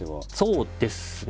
そうですね。